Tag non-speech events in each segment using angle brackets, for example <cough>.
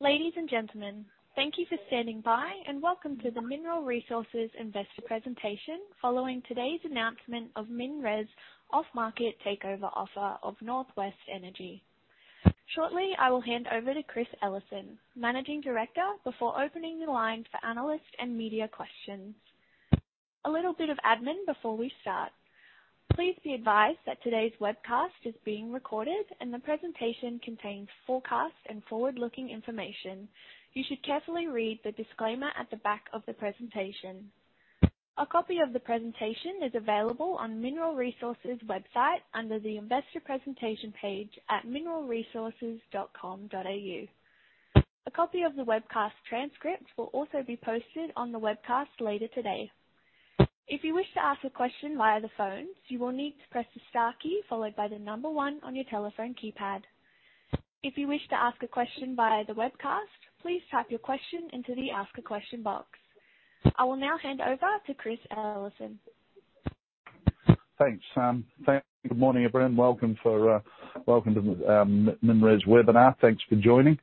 Ladies and gentlemen, thank you for standing by. Welcome to the Mineral Resources Investor Presentation following today's announcement of MinRes off-market takeover offer of Norwest Energy. Shortly, I will hand over to Chris Ellison, managing director, before opening the line for analyst and media questions. A little bit of admin before we start. Please be advised that today's webcast is being recorded. The presentation contains forecasts and forward-looking information. You should carefully read the disclaimer at the back of the presentation. A copy of the presentation is available on Mineral Resources website under the Investor Presentation page at mineralresources.com.au. A copy of the webcast transcript will also be posted on the webcast later today. If you wish to ask a question via the phone, you will need to press the star key followed by the number one on your telephone keypad. If you wish to ask a question via the webcast, please type your question into the Ask a Question box. I will now hand over to Chris Ellison. Thanks, Sam. Good morning, everyone. Welcome for, welcome to MinRes webinar. Thanks for joining.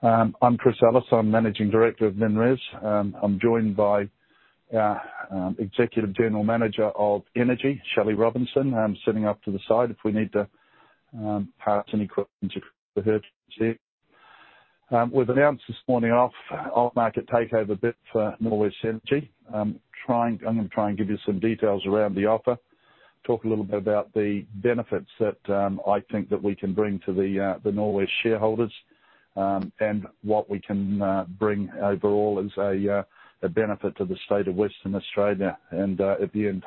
I'm Chris Ellison. I'm Managing Director of MinRes. I'm joined by Executive General Manager of Energy, Shelley Robertson, sitting up to the side if we need to pass any questions to her. We've announced this morning off-market takeover bid for Norwest Energy. I'm gonna try and give you some details around the offer, talk a little bit about the benefits that I think that we can bring to the Norwest shareholders, and what we can bring overall as a benefit to the state of Western Australia. At the end,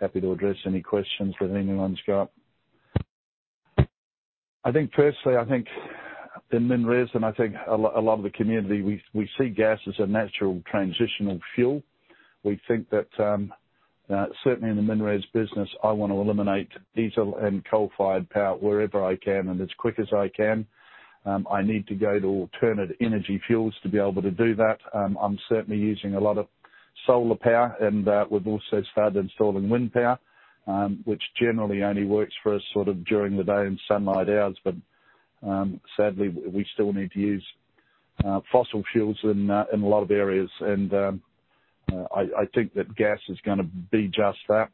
happy to address any questions that anyone's got. I think personally, I think in MinRes, and a lot of the community, we see gas as a natural transitional fuel. We think that, certainly in the MinRes business, I wanna eliminate diesel and coal-fired power wherever I can and as quick as I can. I need to go to alternate energy fuels to be able to do that. I'm certainly using a lot of solar power and we've also started installing wind power, which generally only works for us sort of during the day in sunlight hours. Sadly, we still need to use fossil fuels in a lot of areas. I think that gas is gonna be just that.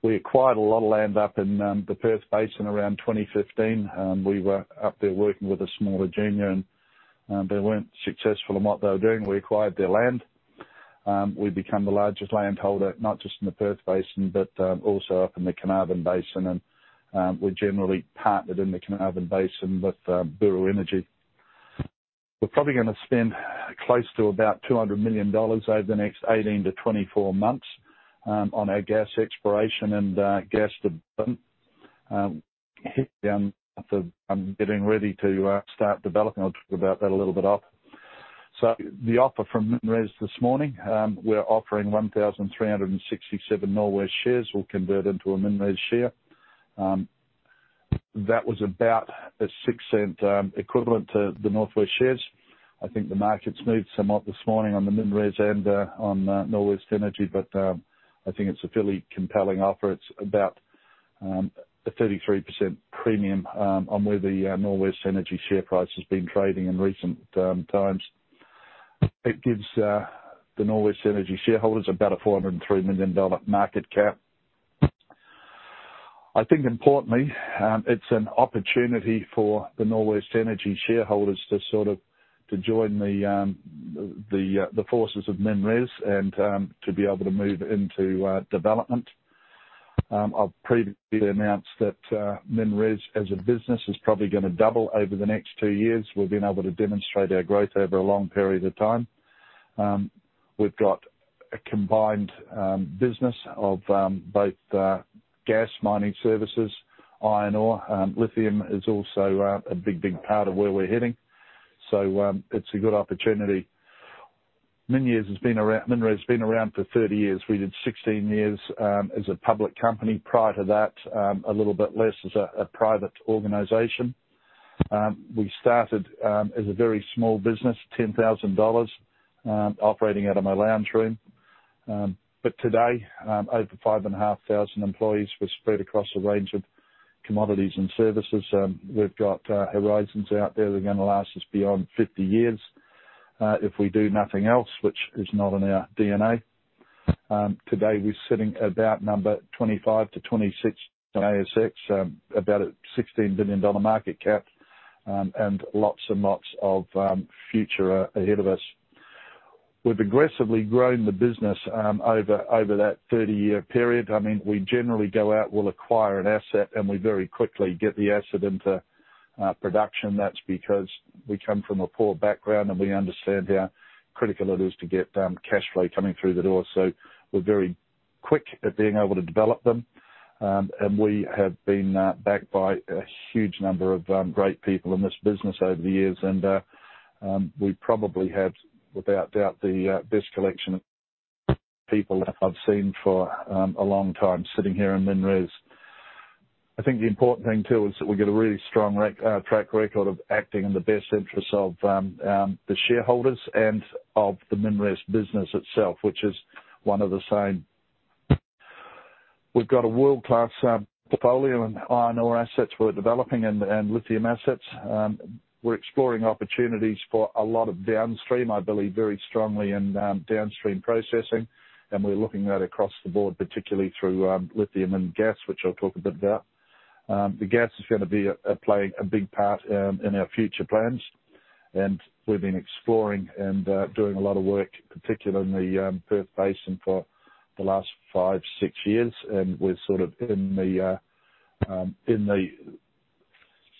We acquired a lot of land up in the Perth Basin around 2015. We were up there working with a small junior, and they weren't successful in what they were doing. We acquired their land. We become the largest landholder, not just in the Perth Basin, but also up in the Carnarvon Basin. We're generally partnered in the Carnarvon Basin with Buru Energy. We're probably gonna spend close to about 200 million dollars over the next 18-24 months on our gas exploration and gas development. Getting ready to start developing. I'll talk about that a little bit off. The offer from MinRes this morning, we're offering 1,367 Norwest shares. We'll convert into a MinRes share. That was about a 0.06 equivalent to the Norwest shares. I think the market's moved somewhat this morning on the MinRes and on Norwest Energy, but I think it's a fairly compelling offer. It's about a 33% premium on where the Norwest Energy share price has been trading in recent times. It gives the Norwest Energy shareholders about a 403 million dollar market cap. I think importantly, it's an opportunity for the Norwest Energy shareholders to join the forces of MinRes and to be able to move into development. I've previously announced that MinRes as a business is probably gonna double over the next two years. We've been able to demonstrate our growth over a long period of time. We've got a combined business of both gas mining services, iron ore, lithium is also a big, big part of where we're heading. It's a good opportunity. MinRes has been around for 30 years. We did 16 years as a public company. Prior to that, a little bit less as a private organization. We started as a very small business, 10,000 dollars, operating out of my lounge room. Today, over 5,500 employees, we're spread across a range of commodities and services. We've got horizons out there that are gonna last us beyond 50 years if we do nothing else, which is not in our DNA. Today, we're sitting about number 25 to 26 on ASX, about an 16 billion dollar market cap, and lots and lots of future ahead of us. We've aggressively grown the business over that 30-year period. I mean, we generally go out, we'll acquire an asset, and we very quickly get the asset into production. That's because we come from a poor background, and we understand how critical it is to get cash flow coming through the door. We're very quick at being able to develop them. We have been backed by a huge number of great people in this business over the years. We probably have, without doubt, the best collection of people I've seen for a long time sitting here in MinRes. I think the important thing, too, is that we've got a really strong track record of acting in the best interest of the shareholders and of the MinRes business itself, which is one and the same. We've got a world-class portfolio and iron ore assets we're developing and lithium assets. We're exploring opportunities for a lot of downstream. I believe very strongly in downstream processing, and we're looking at across the board, particularly through lithium and gas, which I'll talk a bit about. The gas is gonna be playing a big part in our future plans. We've been exploring and doing a lot of work, particularly in the Perth Basin for the last five, six years. We're sort of in the,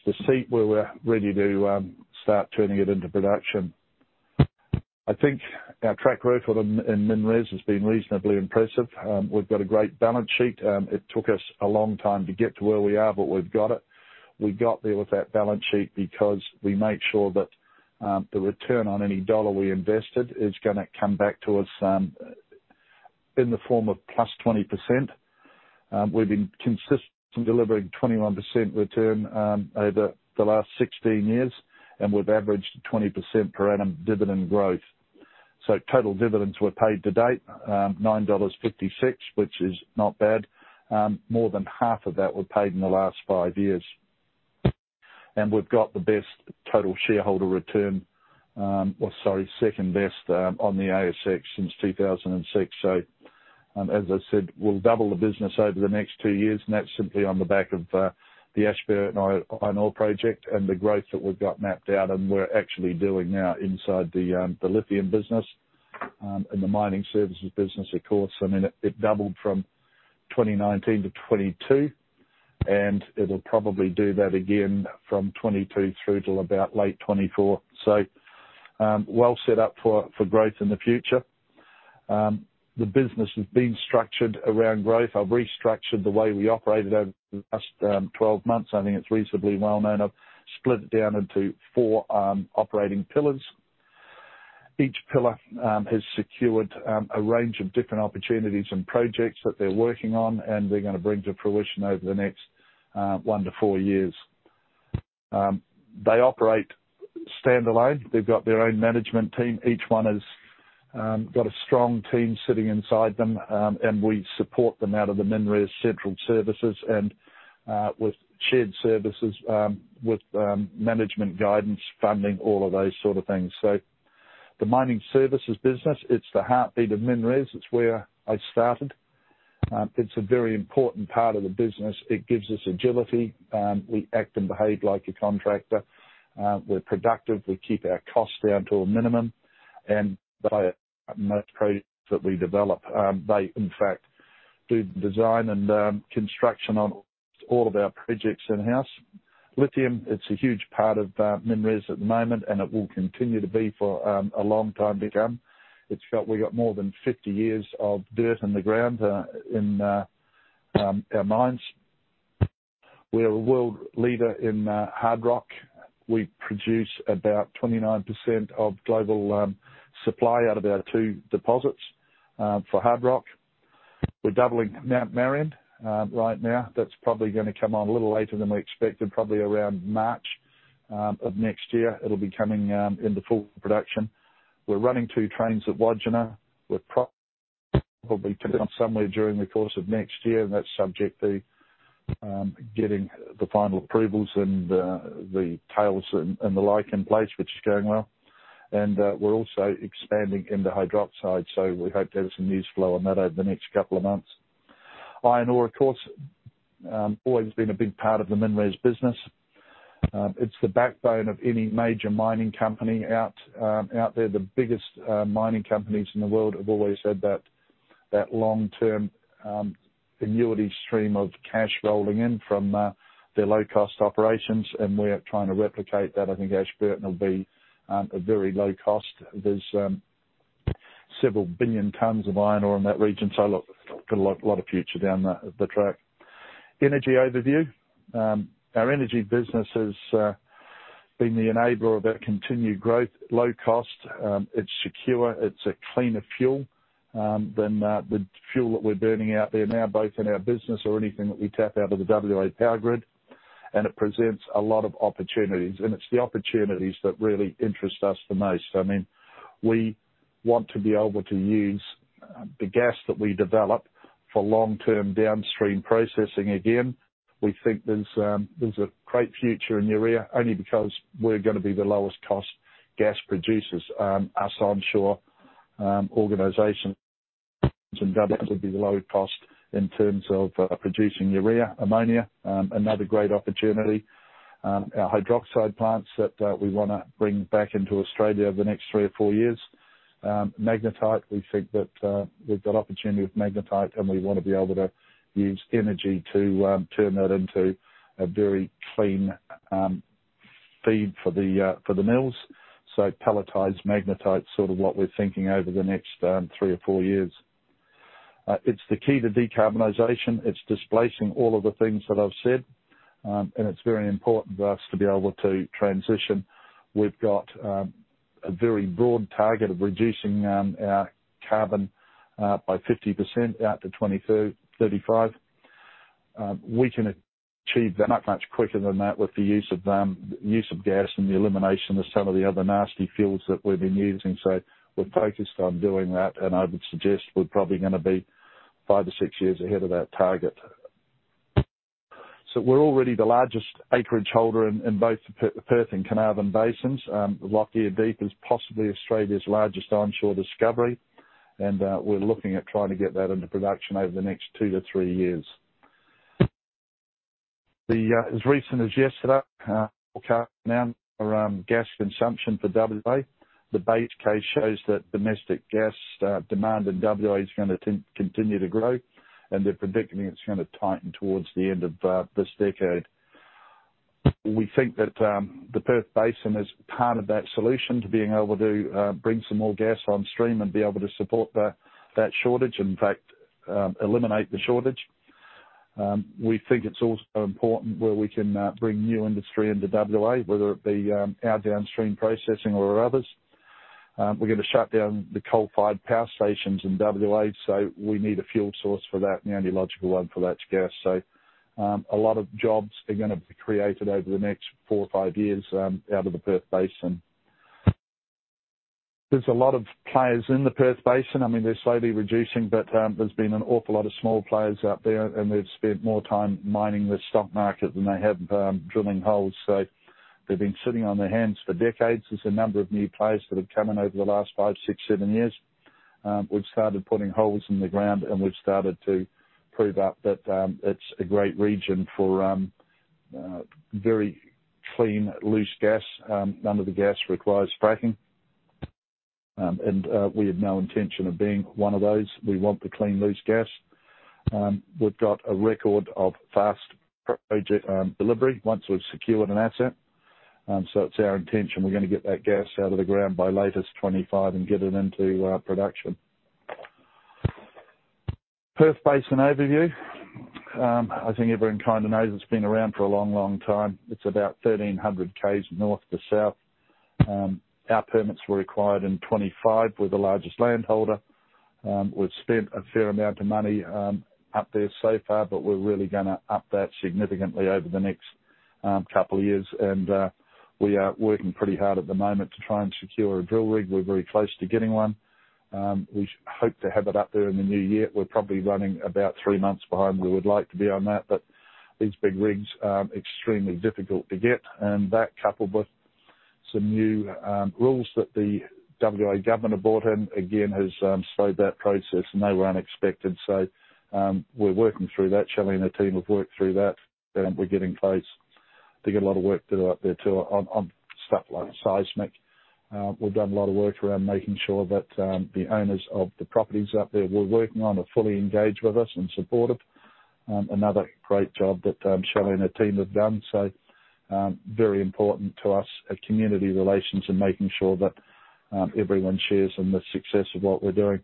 in the seat where we're ready to start turning it into production. I think our track record in MinRes has been reasonably impressive. We've got a great balance sheet. It took us a long time to get to where we are, but we've got it. We got there with that balance sheet because we made sure that the return on any dollar we invested is gonna come back to us in the form of +20%. We've been consistent in delivering 21% return over the last 16 years, and we've averaged 20% per annum dividend growth. Total dividends were paid to date, 9.56 dollars, which is not bad. More than half of that were paid in the last five years. We've got the best total shareholder return, or sorry, second best, on the ASX since 2006. As I said, we'll double the business over the next two years, and that's simply on the back of the Ashburton Iron Ore Project and the growth that we've got mapped out and we're actually doing now inside the lithium business and the mining services business, of course. I mean, it doubled from 2019 to 2022, and it'll probably do that again from 2022 through till about late 2024. Well set up for growth in the future. The business has been structured around growth. I've restructured the way we operated over the last 12 months. I think it's reasonably well known. I've split it down into four operating pillars. Each pillar has secured a range of different opportunities and projects that they're working on and they're gonna bring to fruition over the next one to four years. They operate standalone. They've got their own management team. Each one has got a strong team sitting inside them, and we support them out of the MinRes central services and with shared services, with management guidance, funding, all of those sort of things. The mining services business, it's the heartbeat of MinRes. It's where I started. It's a very important part of the business. It gives us agility. We act and behave like a contractor. We're productive. We keep our costs down to a minimum. They are most projects that we develop. They, in fact, do the design and construction on all of our projects in-house. Lithium, it's a huge part of MinRes at the moment, and it will continue to be for a long time to come. We got more than 50 years of dirt in the ground in our mines. We're a world leader in hard rock. We produce about 29% of global supply out of our two deposits for hard rock. We're doubling Mount Marion right now. That's probably gonna come on a little later than we expected, probably around March of next year. It'll be coming into full production. We're running two trains at Wodgina. We're probably to come somewhere during the course of next year, and that's subject to getting the final approvals and the tails and the like in place, which is going well. We're also expanding into hydroxide, so we hope to have some news flow on that over the next couple of months. Iron ore, of course, always been a big part of the MinRes business. It's the backbone of any major mining company out there. The biggest mining companies in the world have always had that long-term annuity stream of cash rolling in from their low cost operations, and we're trying to replicate that. I think Ashburton will be a very low cost. There's several billion tons of iron ore in that region, so look, got a lot of future down the track. Energy overview. Our energy business has been the enabler of our continued growth. Low cost, it's secure, it's a cleaner fuel than the fuel that we're burning out there now, both in our business or anything that we tap out of the WA power grid. It presents a lot of opportunities, and it's the opportunities that really interest us the most. I mean, we want to be able to use the gas that we develop for long-term downstream processing. Again, we think there's a great future in urea only because we're gonna be the lowest cost gas producers, us onshore organization. That will be the lowest cost in terms of producing urea, ammonia, another great opportunity. Our hydroxide plants that we wanna bring back into Australia over the next three or four years. magnetite, we think that we've got opportunity with magnetite, and we wanna be able to use energy to turn that into a very clean feed for the for the mills. Pelletized magnetite is sort of what we're thinking over the next three or four years. It's the key to decarbonization. It's displacing all of the things that I've said. It's very important for us to be able to transition. We've got a very broad target of reducing our carbon by 50% out to 35. We can achieve that much, much quicker than that with the use of use of gas and the elimination of some of the other nasty fuels that we've been using. We're focused on doing that, and I would suggest we're probably gonna be five to six years ahead of that target. We're already the largest acreage holder in both the Perth and Carnarvon Basins. Lockyer Deep is possibly Australia's largest onshore discovery, and we're looking at trying to get that into production over the next two to three years. The, as recent as yesterday, around gas consumption for WA. The base case shows that domestic gas demand in WA is gonna continue to grow, and they're predicting it's gonna tighten towards the end of this decade. We think that the Perth Basin is part of that solution to being able to bring some more gas on stream and be able to support the, that shortage, in fact, eliminate the shortage. We think it's also important where we can bring new industry into WA, whether it be our downstream processing or others. We're gonna shut down the coal-fired power stations in WA, so we need a fuel source for that, and the only logical one for that is gas. A lot of jobs are gonna be created over the next four or five years out of the Perth Basin. There's a lot of players in the Perth Basin. I mean, they're slowly reducing, but there's been an awful lot of small players out there, and they've spent more time mining the stock market than they have drilling holes. They've been sitting on their hands for decades. There's a number of new players that have come in over the last five, six, seven years. We've started putting holes in the ground, and we've started to prove up that it's a great region for very clean, loose gas. None of the gas requires fracking. We have no intention of being one of those. We want the clean, loose gas. We've got a record of fast project delivery once we've secured an asset. It's our intention we're gonna get that gas out of the ground by latest 2025 and get it into production. Perth Basin overview. I think everyone kinda knows it's been around for a long, long time. It's about 1,300 Ks north to south. Our permits were acquired in 2025. We're the largest land holder. We've spent a fair amount of money up there so far, but we're really gonna up that significantly over the next couple years. We are working pretty hard at the moment to try and secure a drill rig. We're very close to getting one. We hope to have it up there in the new year. We're probably running about three months behind where we would like to be on that, but these big rigs are extremely difficult to get. That, coupled with some new rules that the WA government have brought in, again, has slowed that process, and they were unexpected. We're working through that. Shelley and the team have worked through that, and we're getting close. They got a lot of work to do up there too on stuff like seismic. We've done a lot of work around making sure that the owners of the properties up there we're working on are fully engaged with us and supportive. Another great job that Shelley and her team have done. Very important to us as community relations and making sure that everyone shares in the success of what we're doing.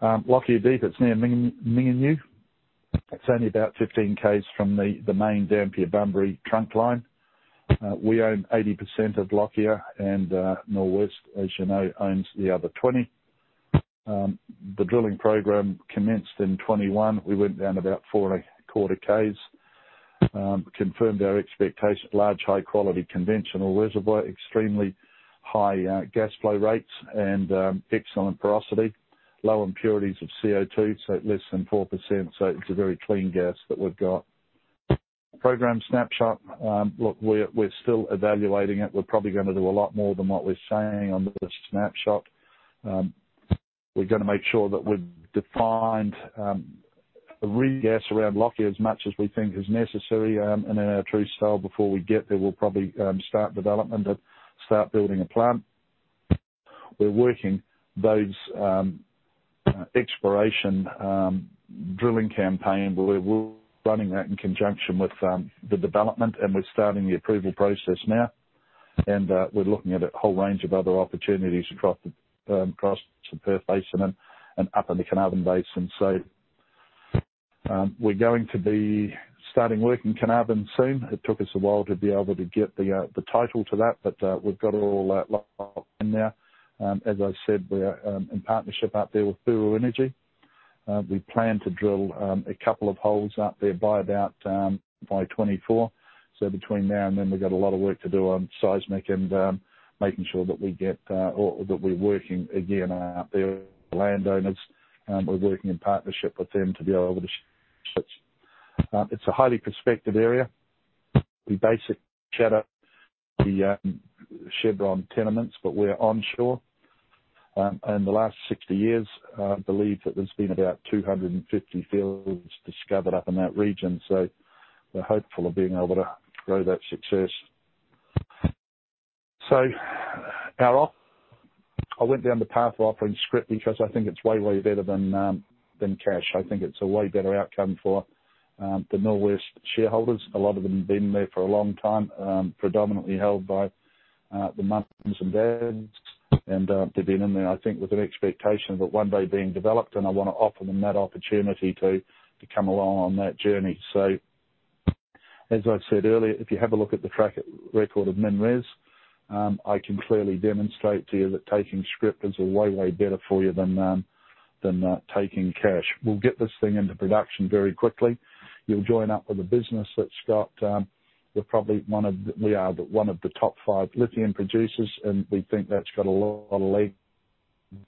Lockyer Deep, it's near Mingenew. It's only about 15 Ks from the main Dampier-Bunbury trunk line. We own 80% of Lockyer and Norwest, as you know, owns the other 20. The drilling program commenced in 2021. We went down about 4.25 Ks. Confirmed our expectations. Large, high-quality conventional reservoir, extremely high gas flow rates and excellent porosity. Low impurities of CO2, so less than 4%. It's a very clean gas that we've got. Program snapshot. Look, we're still evaluating it. We're probably going to do a lot more than what we're saying on this snapshot. We're going to make sure that we've defined the rig gas around Lockyer as much as we think is necessary, and then our true style before we get there, we'll probably start development and start building a plant. We're working those exploration drilling campaign. We're running that in conjunction with the development, and we're starting the approval process now. We're looking at a whole range of other opportunities across the Perth Basin and up in the Carnarvon Basin. We're going to be starting work in Carnarvon soon. It took us a while to be able to get the title to that, but we've got all that locked in now. As I've said, we're in partnership out there with Buru Energy. We plan to drill a couple of holes out there by 2024. Between now and then, we've got a lot of work to do on seismic and making sure that we get or that we're working again out there with the landowners. We're working in partnership with them. As I've said earlier, if you have a look at the track record of MinRes, I can clearly demonstrate to you that taking script is way better for you than taking cash. We'll get this thing into production very quickly. You'll join up with a business that's got, we are one of the top five lithium producers, and we think that's got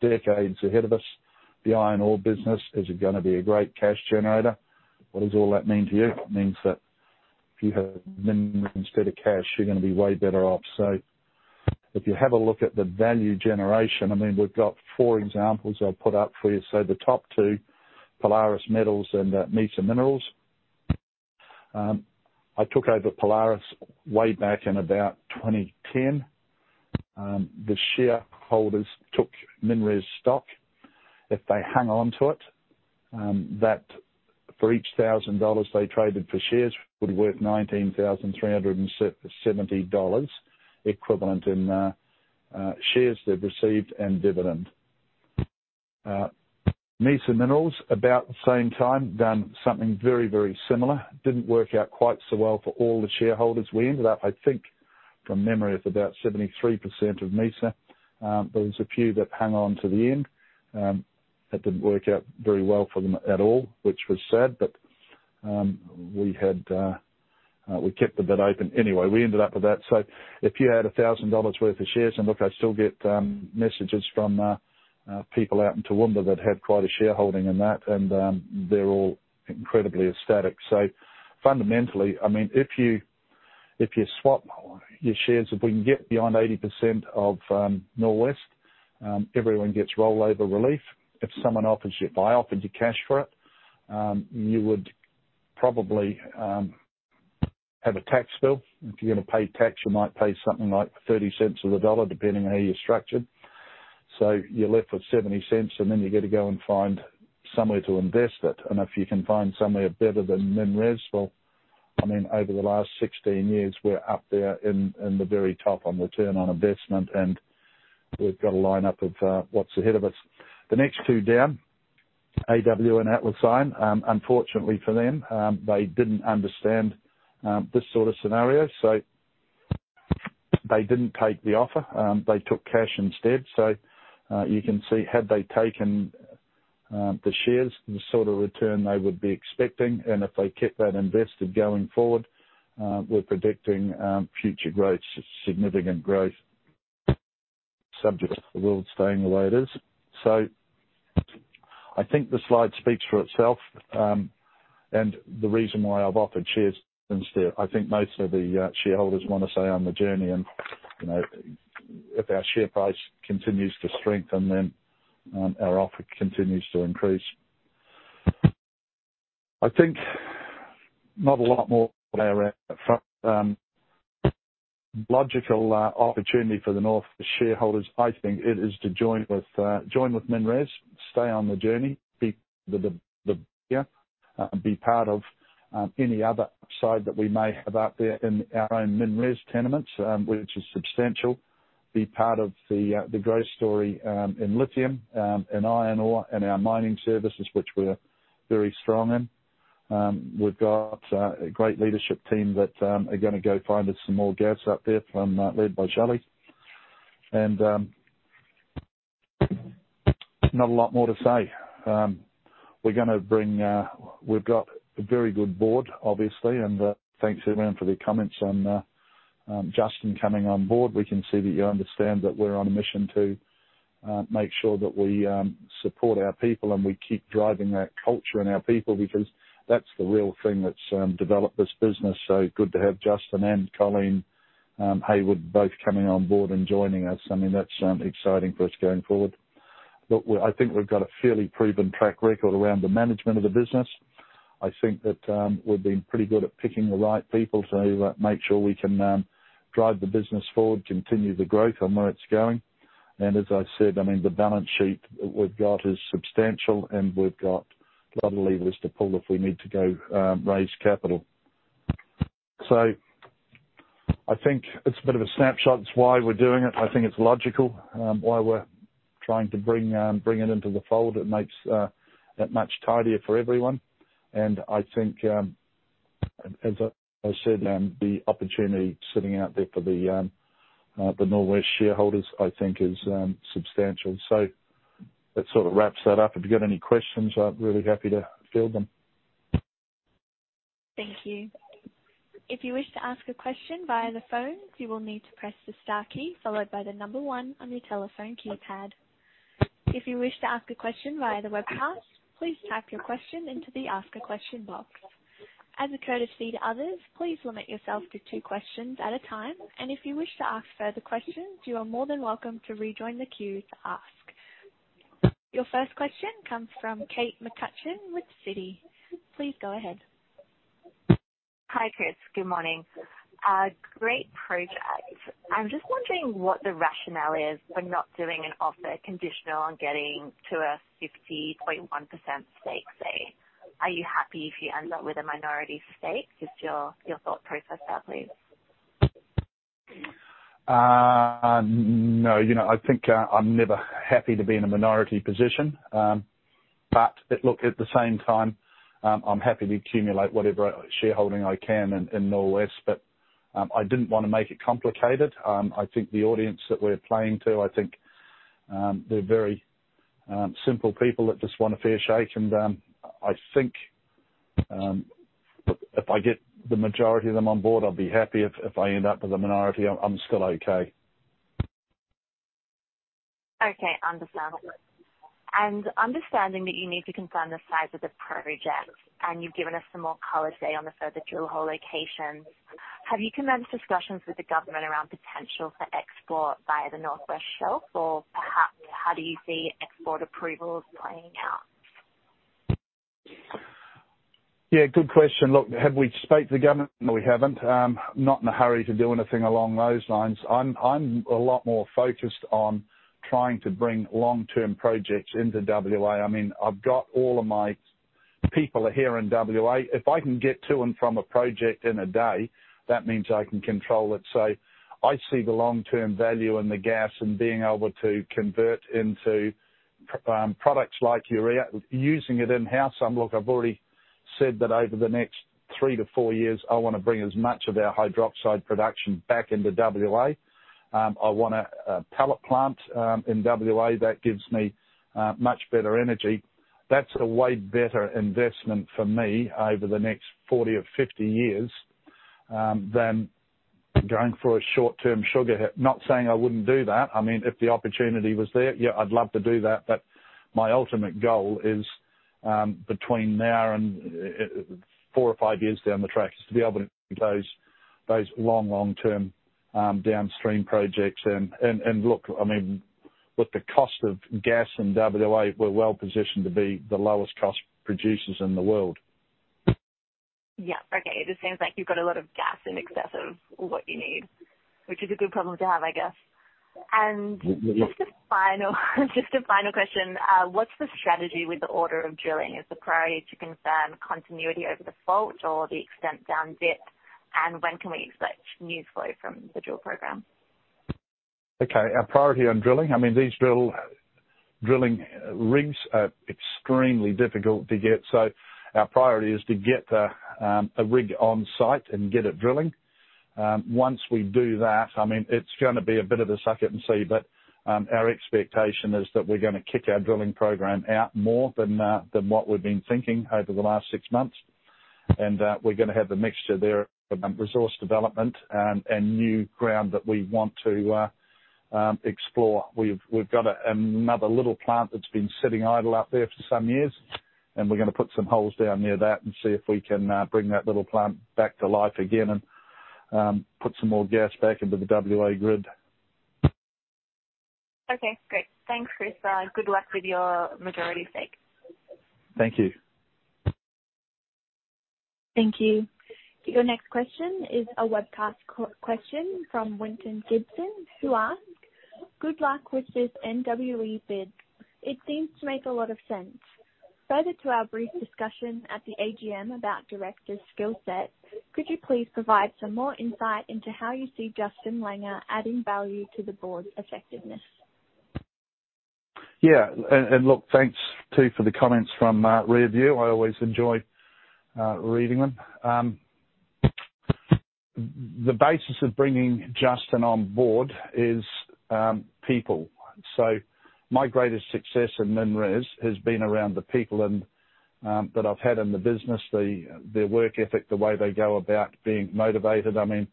decades ahead of us. The iron ore business is gonna be a great cash generator. What does all that mean to you? It means that if you have MinRes instead of cash, you're gonna be way better off. If you have a look at the value generation, I mean, we've got four examples I've put up for you. The top two, Polaris Metals and Mesa Minerals. I took over Polaris way back in about 2010. The shareholders took MinRes stock. If they hang on to it, that for each 1,000 dollars they traded for shares would worth 19,370 dollars equivalent in shares they've received and dividend. Mesa Minerals about the same time done something very, very similar. Didn't work out quite so well for all the shareholders. We ended up, I think from memory, with about 73% of Mesa. There was a few that hung on to the end. That didn't work out very well for them at all, which was sad. We kept the bid open anyway. We ended up with that. If you had 1,000 dollars worth of shares, and look, I still get messages from people out in Toowoomba that had quite a shareholding in that and they're all incredibly ecstatic. Fundamentally, I mean, if you swap your shares, if we can get beyond 80% of Norwest, everyone gets rollover relief. If I offered you cash for it, you would probably have a tax bill. If you're gonna pay tax, you might pay something like 0.30 on the dollar, depending on how you're structured. You're left with 0.70, and then you got to go and find somewhere to invest it. If you can find somewhere better than MinRes, well, I mean, over the last 16 years, we're up there in the very top on return on investment, and we've got a line up of what's ahead of us. The next two down, AW and Atlas Iron, unfortunately for them, they didn't understand this sort of scenario, they didn't take the offer. They took cash instead. You can see had they taken the shares, the sort of return they would be expecting, and if they kept that invested going forward, we're predicting future growth, significant growth, subject to the world staying the way it is. I think the slide speaks for itself. And the reason why I've offered shares instead, I think most of the shareholders want to stay on the journey and, you know, if our share price continues to strengthen, then our offer continues to increase. I think not a lot more there. Logical opportunity for the North shareholders, I think it is to join with join with Minres, stay on the journey, be the be part of any other upside that we may have out there in our own Minres tenements, which is substantial. Be part of the growth story in lithium, in iron ore and our mining services, which we're very strong in. We've got a great leadership team that are gonna go find us some more gas up there from led by Shelley. Not a lot more to say. We've got a very good board, obviously, and thanks everyone for their comments on Justin coming on board. We can see that you understand that we're on a mission to make sure that we support our people, and we keep driving that culture in our people, because that's the real thing that's developed this business. Good to have Justin and Colleen Hayward both coming on board and joining us. I mean, that's exciting for us going forward. Look, I think we've got a fairly proven track record around the management of the business. I think that we've been pretty good at picking the right people to make sure we can drive the business forward, continue the growth on where it's going. As I said, I mean, the balance sheet we've got is substantial and we've got a lot of levers to pull if we need to go raise capital. I think it's a bit of a snapshot. It's why we're doing it. I think it's logical why we're trying to bring it into the fold. It makes that much tidier for everyone. I think, as I said, the opportunity sitting out there for the Norwest shareholders, I think is substantial. That sort of wraps that up. If you've got any questions, I'm really happy to field them. Thank you. If you wish to ask a question via the phone, you will need to press the star key followed by the number one on your telephone keypad. If you wish to ask a question via the webcast, please type your question into the Ask a Question box. As a courtesy to others, please limit yourself to two questions at a time. If you wish to ask further questions, you are more than welcome to rejoin the queue to ask. Your first question comes from Kate McCutcheon with Citi. Please go ahead. Hi, Chris. Good morning. Great project. I'm just wondering what the rationale is for not doing an offer conditional on getting to a 50.1% stake, say. Are you happy if you end up with a minority stake? Just your thought process there, please. No, you know, I think I'm never happy to be in a minority position. But look, at the same time, I'm happy to accumulate whatever shareholding I can in Norwest, but I didn't want to make it complicated. I think the audience that we're playing to, I think they're very simple people that just want a fair shake. I think if I get the majority of them on board, I'll be happy. If I end up with a minority, I'm still okay. Okay. Understandable. Understanding that you need to confirm the size of the project, and you've given us some more color today on the further drill hole locations, have you commenced discussions with the Government around potential for export via the North West Shelf? Or perhaps how do you see export approvals playing out? Yeah, good question. Look, have we spoke to the government? No, we haven't. Not in a hurry to do anything along those lines. I'm a lot more focused on trying to bring long-term projects into WA. I mean, I've got all of my people are here in WA. If I can get to and from a project in a day, that means I can control it. I see the long-term value in the gas and being able to convert into products like urea, using it in-house. Look, I've already said that over the next three to four years, I wanna bring as much of our hydroxide production back into WA. I want a pellet plant in WA. That gives me much better energy. That's a way better investment for me over the next 40 or 50 years than going for a short-term sugar hit. Not saying I wouldn't do that. I mean, if the opportunity was there, yeah, I'd love to do that. My ultimate goal is between now and four or five years down the track, is to be able to close those long-term downstream projects. Look, I mean, with the cost of gas in WA, we're well-positioned to be the lowest cost producers in the world. Yeah. Okay. It just seems like you've got a lot of gas in excess of what you need, which is a good problem to have, I guess. Just a final question. What's the strategy with the order of drilling? Is the priority to confirm continuity over default or the extent down dip? When can we expect news flow from the drill program? Okay. Our priority on drilling, these drilling rigs are extremely difficult to get, so our priority is to get a rig on site and get it drilling. Once we do that, it's gonna be a bit of a suck it and see, but our expectation is that we're gonna kick our drilling program out more than what we've been thinking over the last six months. We're gonna have a mixture there, resource development, and new ground that we want to explore. We've got another little plant that's been sitting idle out there for some years, and we're gonna put some holes down near that and see if we can bring that little plant back to life again and put some more gas back into the WA grid. Okay, great. Thanks, Chris. Good luck with your majority stake. Thank you. Thank you. Your next question is a webcast question from Winton Gibson who asks, "Good luck with this NWE bid. It seems to make a lot of sense. Further to our brief discussion at the AGM about directors' skill set, could you please provide some more insight into how you see Justin Langer adding value to the board's effectiveness? Yeah. Look, thanks too for the comments from Review. I always enjoy reading them. The basis of bringing Justin on board is people. My greatest success in MinRes has been around the people and that I've had in the business, their work ethic, the way they go about being motivated. I mean,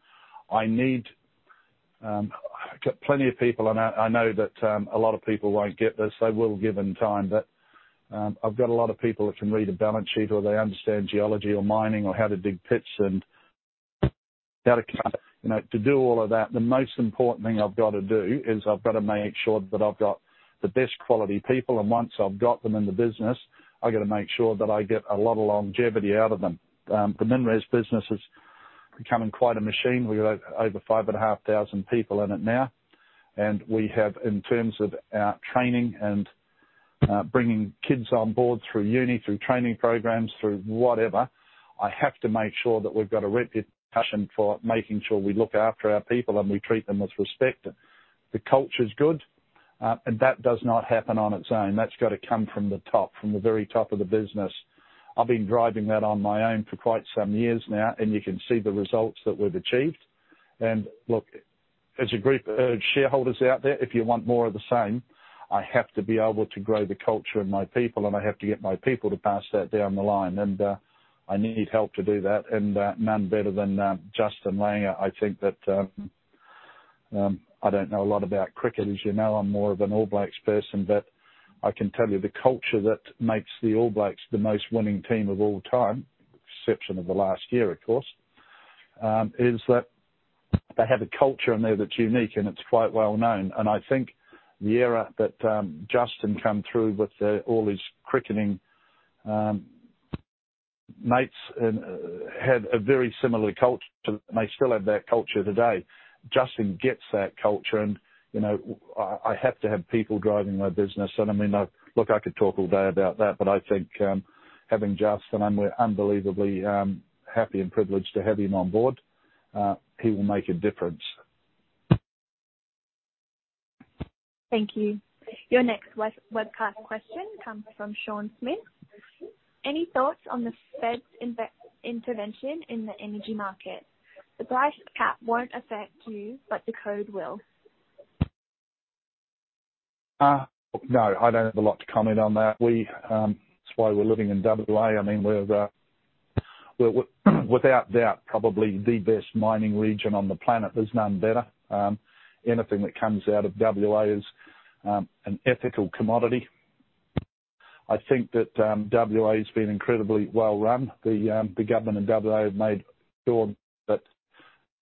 got plenty of people, and I know that a lot of people won't get this. They will given time, I've got a lot of people that can read a balance sheet or they understand geology or mining or how to dig pits and how to count. To do all of that, the most important thing I've got to do is I've got to make sure that I've got the best quality people. Once I've got them in the business, I got to make sure that I get a lot of longevity out of them. The MinRes business is becoming quite a machine. We've over 5,500 people in it now. We have, in terms of our training and bringing kids on board through uni, through training programs, through whatever, I have to make sure that we've got a reputation for making sure we look after our people and we treat them with respect. The culture is good, and that does not happen on its own. That's got to come from the top, from the very top of the business. I've been driving that on my own for quite some years now, and you can see the results that we've achieved. Look, as a group of shareholders out there, if you want more of the same, I have to be able to grow the culture in my people, and I have to get my people to pass that down the line. I need help to do that. None better than Justin Langer. I think that I don't know a lot about cricket. As you know, I'm more of an All Blacks person, but I can tell you the culture that makes the All Blacks the most winning team of all time, exception of the last year, of course, is that they have a culture in there that's unique and it's quite well known. I think the era that Justin come through with all his cricketing mates and had a very similar culture. They still have that culture today. Justin gets that culture and, you know, I have to have people driving my business. I mean, look, I could talk all day about that, but I think, we're unbelievably happy and privileged to have him on board. He will make a difference. Thank you. Your next west-webcast question comes from Sean Smith. Any thoughts on the Fed's intervention in the energy market? The price cap won't affect you, but the code will. No, I don't have a lot to comment on that. We, that's why we're living in WA. I mean, we're without doubt probably the best mining region on the planet. There's none better. Anything that comes out of WA is an ethical commodity. I think that WA's been incredibly well run. The, the government in WA have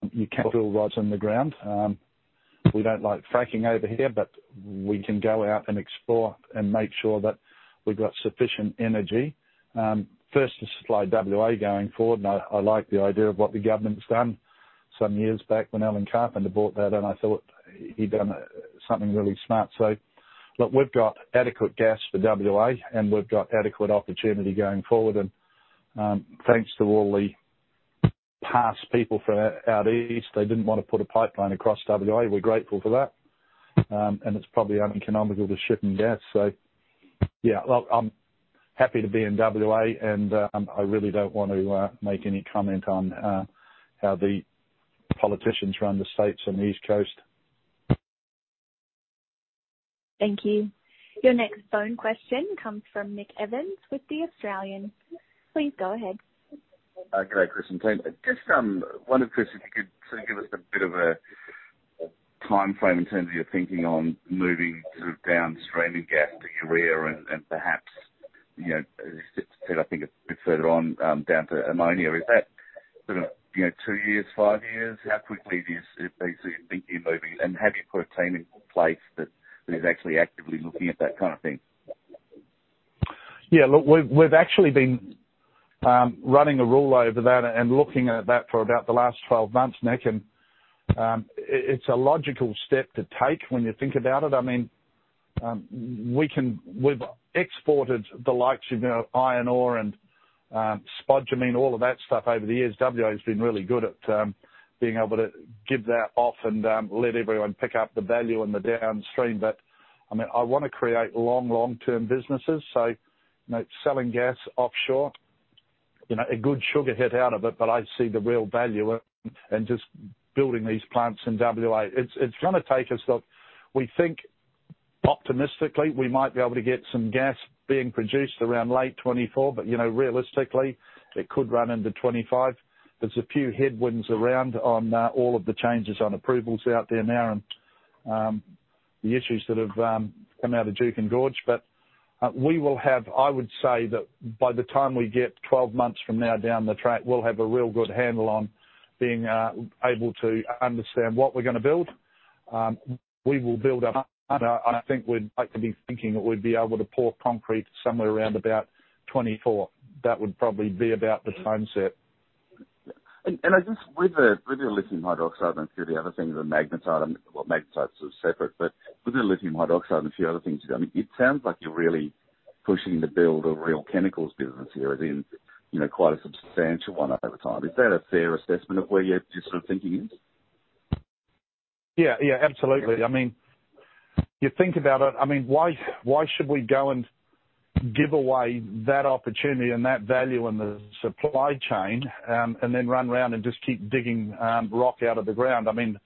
made sure that you can't drill rods in the ground. We don't like fracking over here, but we can go out and explore and make sure that we've got sufficient energy first to supply WA going forward. I like the idea of what the government's done some years back when Alan Carpenter brought that, and I thought he'd done something really smart. Look, we've got adequate gas for WA, and we've got adequate opportunity going forward. Thanks to all the past people from out east, they didn't want to put a pipeline across WA. We're grateful for that. It's probably uneconomical to ship in gas. Yeah. Look, I'm happy to be in WA, and I really don't want to make any comment on how the politicians run the states on the East Coast. Thank you. Your next phone question comes from Nick Evans with The Australian. Please go ahead. Okay, Chris. Just, wonder, Chris, if you could sort of give us a bit of a timeframe in terms of your thinking on moving sort of downstream in gas to urea and perhaps, you know, as you said, I think a bit further on, down to ammonia. Is that sort of, you know, two years, five years? How quickly do you see, do you think you're moving? Have you put a team in place that is actually actively looking at that kind of thing? Yeah. Look, we've actually been running a rule over that and looking at that for about the last 12 months, Nick. It's a logical step to take when you think about it. I mean, we've exported the likes of, you know, iron ore and spodumene, all of that stuff over the years. WA has been really good at being able to give that off and let everyone pick up the value on the downstream. I mean, I wanna create long, long-term businesses. You know, selling gas offshore, you know, a good sugar hit out of it. I see the real value in just building these plants in WA. It's gonna take us, look, we think optimistically we might be able to get some gas being produced around late 2024, but you know, realistically, it could run into 2025. There's a few headwinds around on all of the changes on approvals out there now and the issues that have come out of Juukan Gorge. I would say that by the time we get 12 months from now down the track, we'll have a real good handle on being able to understand what we're gonna build. We will build up. I think we'd like to be thinking that we'd be able to pour concrete somewhere around about 2024. That would probably be about the time set. With the, with your lithium hydroxide and a few of the other things, the magnetite, well, magnetite's sort of separate. With the lithium hydroxide and a few other things you've done, it sounds like you're really pushing to build a real chemicals business here. I mean, you know, quite a substantial one over time. Is that a fair assessment of where your sort of thinking is? Yeah, absolutely. I mean, you think about it, why should we go and give away that opportunity and that value in the supply chain, and then run around and just keep digging rock out of the ground? I mean,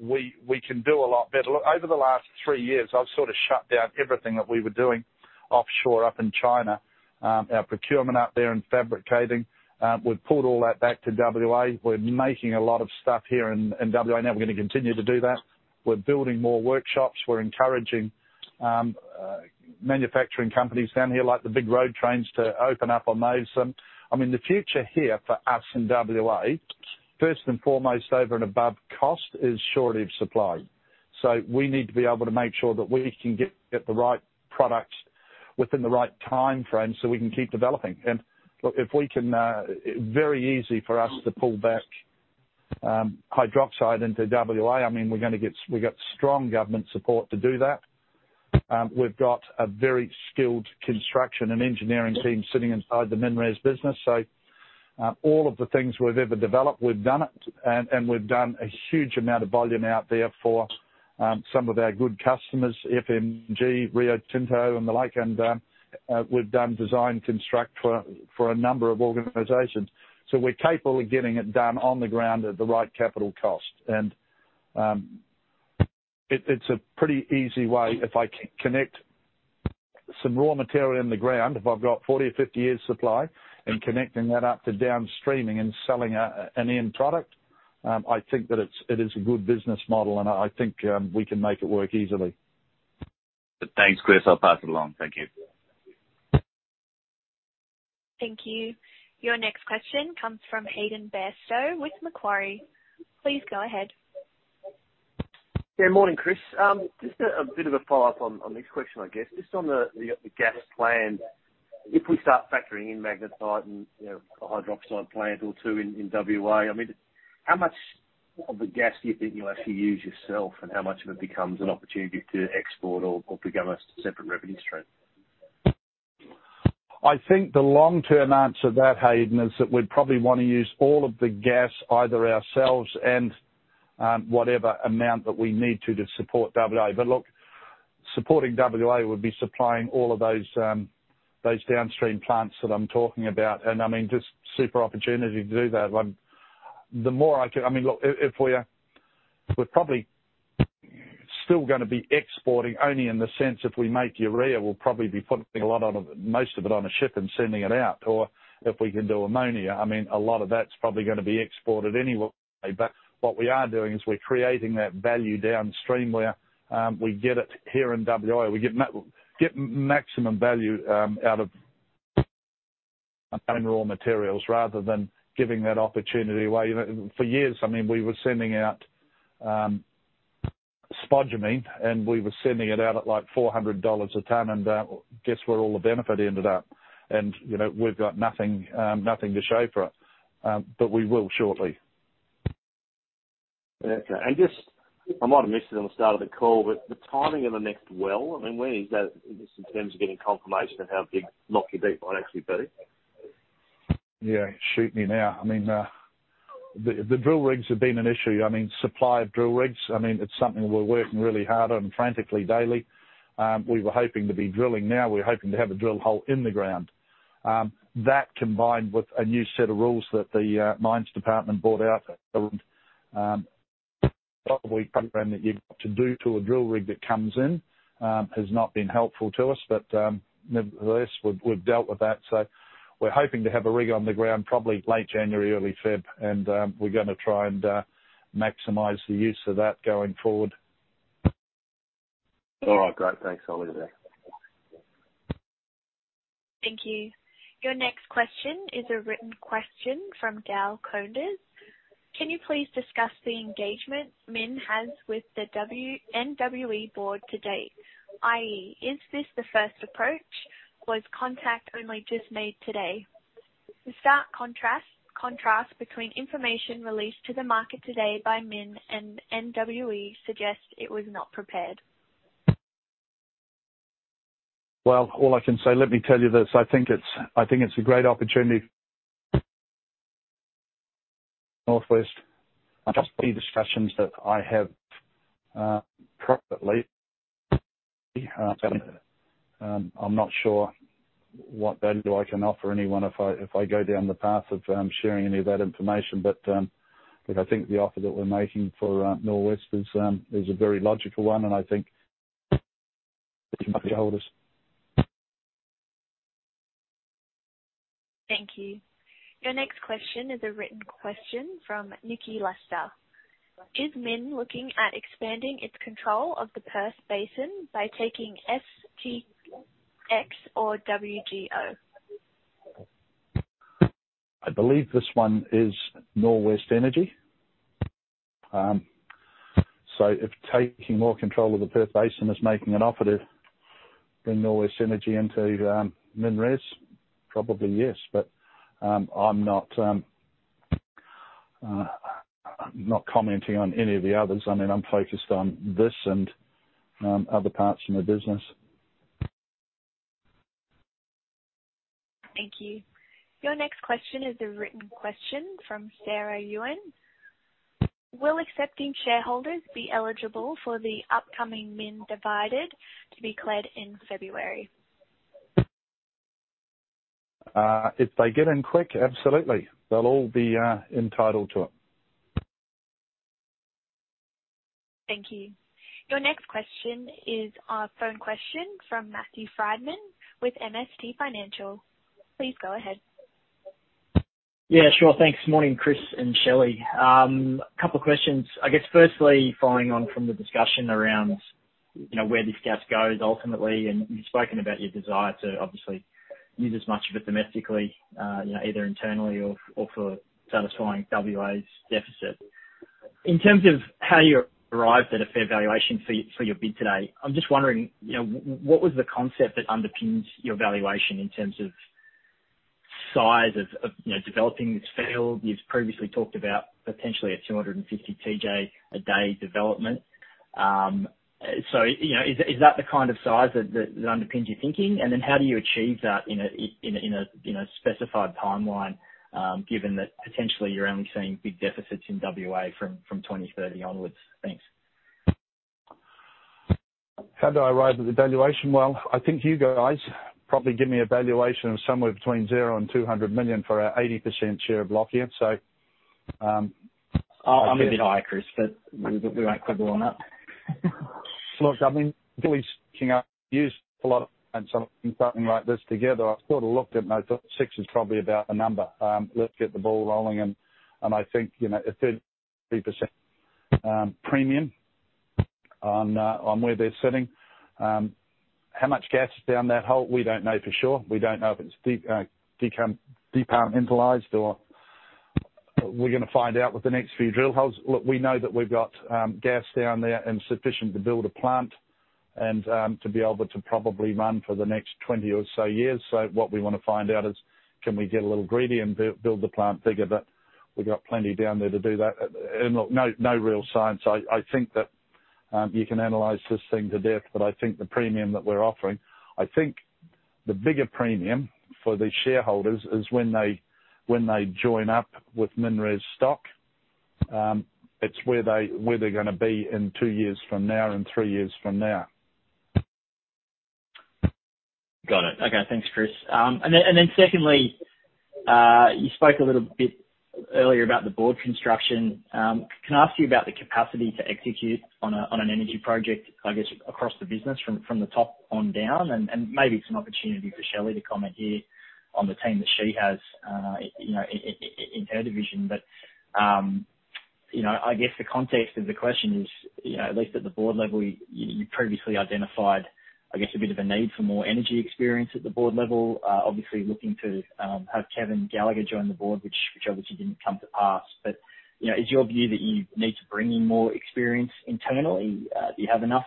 we can do a lot better. Look, over the last three years, I've sort of shut down everything that we were doing offshore, up in China, our procurement up there and fabricating. We've pulled all that back to WA. We're making a lot of stuff here in WA now. We're gonna continue to do that. We're building more workshops. We're encouraging manufacturing companies down here, like the big road trains, to open up on Mason. I mean, the future here for us in WA, first and foremost, over and above cost, is surety of supply. We need to be able to make sure that we can get the right products within the right timeframe so we can keep developing. Look, if we can, very easy for us to pull back hydroxide into WA. I mean, we've got strong government support to do that. We've got a very skilled construction and engineering team sitting inside the MinRes business. All of the things we've ever developed, we've done it and we've done a huge amount of volume out there for some of our good customers, FMG, Rio Tinto and the like. We've done design construct for a number of organizations. We're capable of getting it done on the ground at the right capital cost. It's a pretty easy way, if I can connect some raw material in the ground, if I've got 40 or 50 years supply, and connecting that up to downstreaming and selling a, an end product, I think that it's, it is a good business model, and I think, we can make it work easily. Thanks, Chris. I'll pass it along. Thank you. Thank you. Your next question comes from Hayden Bairstow with Macquarie. Please go ahead. Yeah, morning, Chris. Just a bit of a follow-up on Nick's question, I guess. Just on the gas plan, if we start factoring in magnetite and, you know, a hydroxide plant or two in WA, I mean, how much of the gas do you think you'll actually use yourself, and how much of it becomes an opportunity to export or become a separate revenue stream? I think the long-term answer to that, Hayden, is that we'd probably wanna use all of the gas either ourselves and whatever amount that we need to support WA. Look, supporting WA would be supplying all of those downstream plants that I'm talking about, and I mean, just super opportunity to do that. The more I can... I mean, look, if we're probably still gonna be exporting, only in the sense if we make urea, we'll probably be putting a lot of, most of it on a ship and sending it out. If we can do ammonia, I mean, a lot of that's probably gonna be exported anyway. What we are doing is we're creating that value downstream where we get it here in WA. We get maximum value out of raw materials rather than giving that opportunity away. You know, for years, I mean, we were sending out spodumene, and we were sending it out at, like, 400 dollars a ton, guess where all the benefit ended up? You know, we've got nothing to show for it. But we will shortly. Okay. Just, I might have missed it on the start of the call, but the timing of the next well, I mean, when is that in terms of getting confirmation of how big Lockyer Deep might actually be? Yeah. Shoot me now. I mean, the drill rigs have been an issue. I mean, supply of drill rigs, I mean, it's something we're working really hard on frantically daily. We were hoping to be drilling now. We're hoping to have a drill hole in the ground. That combined with a new set of rules that the mines department brought out, probably program that you've got to do to a drill rig that comes in, has not been helpful to us. Nevertheless, we've dealt with that, so we're hoping to have a rig on the ground probably late January, early February, and we're gonna try and maximize the use of that going forward. All right. Great. Thanks. I'll leave it there. Thank you. Your next question is a written question from Gail Coners. Can you please discuss the engagement MIN has with the NWE board to date, i.e., is this the first approach? Was contact only just made today? The stark contrast between information released to the market today by MIN and NWE suggests it was not prepared. All I can say, let me tell you this. I think it's a great opportunity. Norwest. I've just had discussions that I have, privately, I'm not sure what value I can offer anyone if I, if I go down the path of sharing any of that information. I think the offer that we're making for Norwest is a very logical one, and I think shareholders. Thank you. Your next question is a written question from Nikki Lester. Is MIN looking at expanding its control of the Perth Basin by taking STX or WGO? I believe this one is Norwest Energy. If taking more control of the Perth Basin is making an offer to bring Norwest Energy into Minres, probably yes. I'm not commenting on any of the others. I mean, I'm focused on this and other parts of my business. Thank you. Your next question is a written question from Sarah Yuen. Will accepting shareholders be eligible for the upcoming MIN dividend to be cleared in February? If they get in quick, absolutely. They'll all be entitled to it. Thank you. Your next question is a phone question from Matthew Frydman with MST Financial. Please go ahead. Sure. Thanks. Morning, Chris and Shelley. A couple of questions. I guess, firstly, following on from the discussion around, you know, where this gas goes ultimately, and you've spoken about your desire to obviously use as much of it domestically, you know, either internally or for satisfying WA's deficit. In terms of how you arrived at a fair valuation for your bid today, I'm just wondering, you know, what was the concept that underpins your valuation in terms of size of, you know, developing this field? You've previously talked about potentially a 250 TJ a day development. You know, is that the kind of size that underpins your thinking? How do you achieve that in a specified timeline, given that potentially you're only seeing big deficits in WA from 2030 onwards? Thanks. How do I arrive at the valuation? Well, I think you guys probably give me a valuation of somewhere between 0 and 200 million for our 80% share of Lockyer. I may be high, Chris, but we won't quibble on it. Look, I mean, Billy's king. I've used a lot and something like this together. I sort of looked and I thought 6 is probably about the number. let's get the ball rolling and I think, you know, a 30% premium on where they're sitting. How much gas is down that hole? We don't know for sure. We don't know if it's depressurized or we're gonna find out with the next few drill holes. Look, we know that we've got gas down there and sufficient to build a plant, and to be able to probably run for the next 20 or so years. What we wanna find out is can we get a little greedy and build the plant bigger? We've got plenty down there to do that. Look, no real science. I think that, you can analyze this thing to death, but I think the premium that we're offering, I think the bigger premium for the shareholders is when they, when they join up with MinRes stock. It's where they, where they're gonna be in two years from now and three years from now. Got it. Okay. Thanks, Chris. Then secondly, you spoke a little bit earlier about the board construction. Can I ask you about the capacity to execute on an energy project, I guess, across the business from the top on down, and maybe some opportunity for Shelley to comment here on the team that she has in her division. You know, I guess the context of the question is, you know, at least at the board level, you previously identified, I guess, a bit of a need for more energy experience at the board level, obviously looking to have Kevin Gallagher join the board, which obviously didn't come to pass. You know, is your view that you need to bring in more experience internally? Do you have enough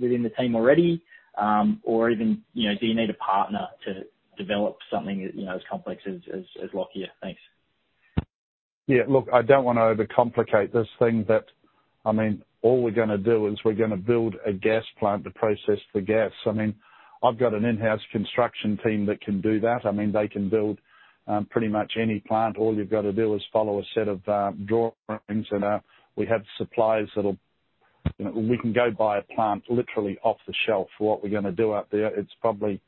within the team already? Or even, you know, do you need a partner to develop something, you know, as complex as Lockyer? Thanks. Yeah. Look, I don't wanna overcomplicate this thing that, I mean, all we're gonna do is we're gonna build a gas plant to process the gas. I mean, I've got an in-house construction team that can do that. I mean, they can build, pretty much any plant. All you've got to do is follow a set of drawings and we have suppliers that'll, you know, we can go buy a plant literally off the shelf. What we're gonna do out there, it's probably,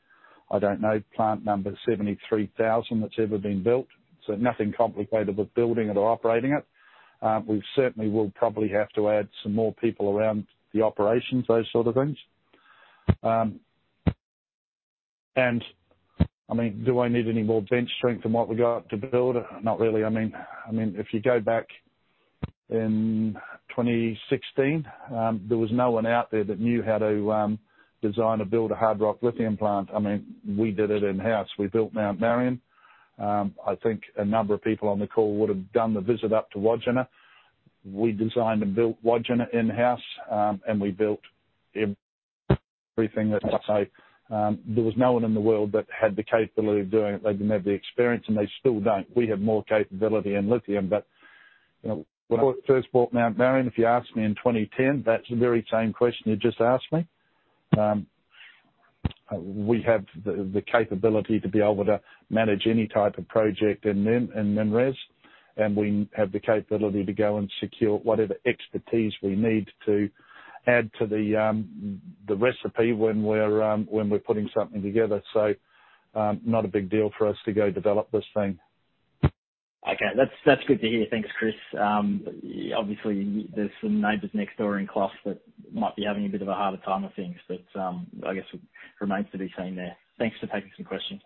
I don't know, plant number 73,000 that's ever been built, so nothing complicated with building it or operating it. We certainly will probably have to add some more people around the operations, those sort of things. I mean, do I need any more bench strength than what we got to build? Not really. I mean, if you go back in 2016, there was no one out there that knew how to design or build a hard rock lithium plant. I mean, we did it in-house. We built Mount Marion. I think a number of people on the call would have done the visit up to Wodgina. We designed and built Wodgina in-house, and we built everything that's inside. There was no one in the world that had the capability of doing it. They didn't have the experience, and they still don't. We have more capability in lithium. You know, when I first bought Mount Marion, if you asked me in 2010, that's the very same question you just asked me. We have the capability to be able to manage any type of project in MinRes, and we have the capability to go and secure whatever expertise we need to add to the recipe when we're putting something together. Not a big deal for us to go develop this thing. That's good to hear. Thanks, Chris. Obviously, there's some neighbors next door in class that might be having a bit of a harder time with things, but I guess it remains to be seen there. Thanks for taking some questions.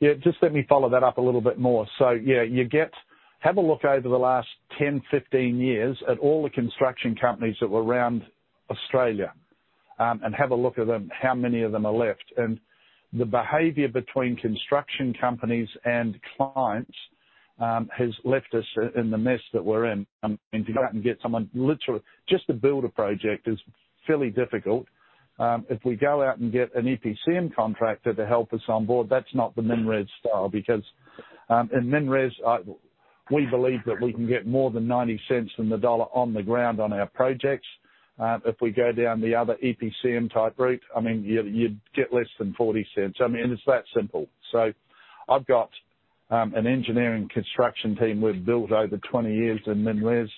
Yeah, just let me follow that up a little bit more. Yeah, you get... Have a look over the last 10, 15 years at all the construction companies that were around Australia, and have a look at them, how many of them are left. The behavior between construction companies and clients has left us in the mess that we're in. I mean, to go out and get someone, literally, just to build a project is fairly difficult. If we go out and get an EPCM contractor to help us on board, that's not the MinRes style. In MinRes, we believe that we can get more than 0.90 on the dollar on the ground on our projects. If we go down the other EPCM type route, I mean, you'd get less than 0.40. I mean, it's that simple. I've got an engineering construction team we've built over 20 years in MinRes.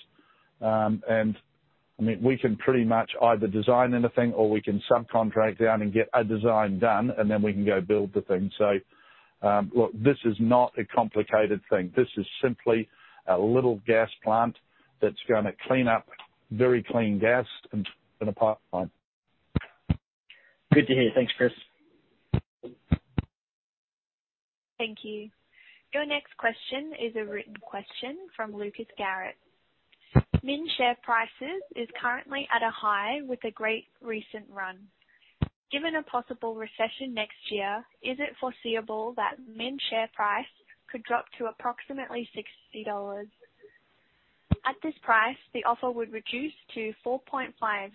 I mean, we can pretty much either design anything or we can subcontract out and get a design done, and then we can go build the thing. Look, this is not a complicated thing. This is simply a little gas plant that's gonna clean up very clean gas and put in a pipeline. Good to hear. Thanks, Chris. Thank you. Your next question is a written question from Lucas Garrett. MIN share prices is currently at a high with a great recent run. Given a possible recession next year, is it foreseeable that MIN share price could drop to approximately 60 dollars? At this price, the offer would reduce to 0.045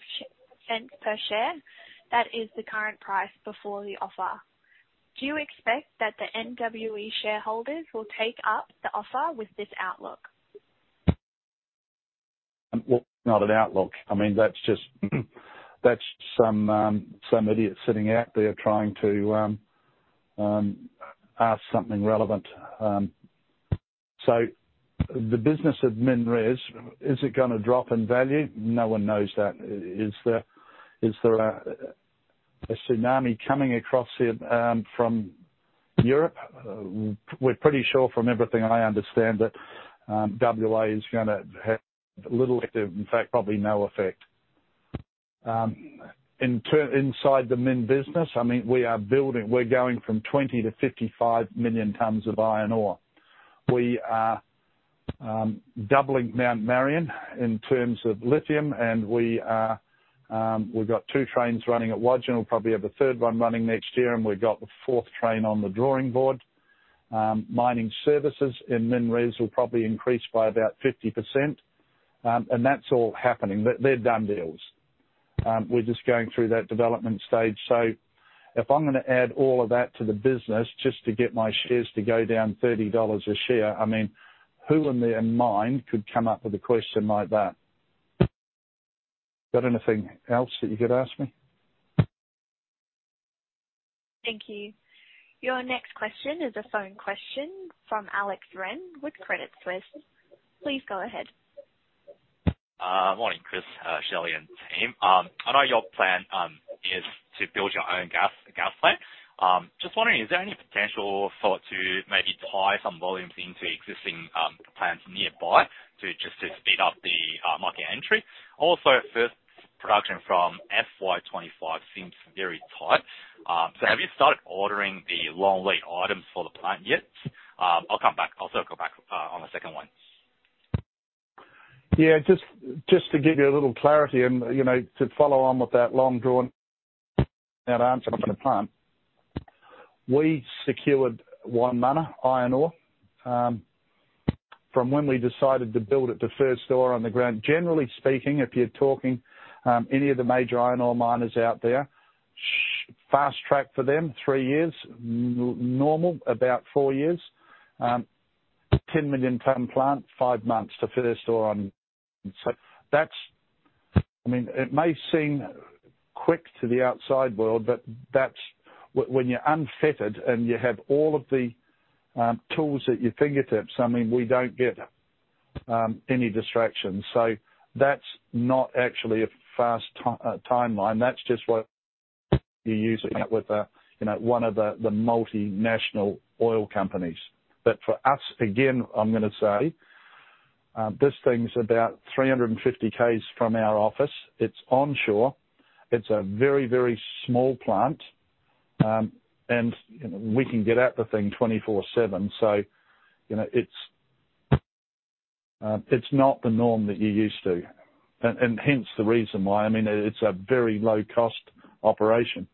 per share. That is the current price before the offer. Do you expect that the NWE shareholders will take up the offer with this outlook? Not an outlook. I mean, that's just, that's some idiot sitting out there trying to ask something relevant. The business of MinRes, is it gonna drop in value? No one knows that. Is there a tsunami coming across here from Europe? We're pretty sure from everything I understand that WA is gonna have little effect. In fact, probably no effect. In turn, inside the MIN business, I mean, we are building. We're going from 20-55 million tons of iron ore. We are doubling Mount Marion in terms of lithium, and we are, we've got two trains running at Wodgina. We'll probably have a third one running next year, and we've got the fourth train on the drawing board. Mining services in MinRes will probably increase by about 50%. That's all happening. They're done deals. We're just going through that development stage. If I'm gonna add all of that to the business just to get my shares to go down 30 dollars a share, I mean, who in their mind could come up with a question like that? Got anything else that you could ask me? Thank you. Your next question is a phone question from Alex Ren with Credit Suisse. Please go ahead. Morning, Chris, Shelley, and team. I know your plan is to build your own gas plant. Just wondering, is there any potential thought to maybe tie some volumes into existing plants nearby to just to speed up the market entry? First production from FY25 seems very tight. Have you started ordering the long lead items for the plant yet? I'll come back. I'll circle back on the second one. Just to give you a little clarity and, you know, to follow on with that long drawn answer about the plant. We secured Wonmunna iron ore from when we decided to build it, the first ore on the ground. Generally speaking, if you're talking any of the major iron ore miners out there, fast track for them, three years. Normal, about four years. 10 million ton plant, five months to first ore on. That's I mean, it may seem quick to the outside world, but that's when you're unfettered and you have all of the tools at your fingertips, I mean, we don't get any distractions. That's not actually a fast timeline. That's just what you're using with, you know, one of the multinational oil companies. For us, again, I'm gonna say, this thing's about 350 Ks from our office. It's onshore. It's a very, very small plant. We can get at the thing 24/7. You know, it's not the norm that you're used to. Hence the reason why. I mean, it's a very low cost operation.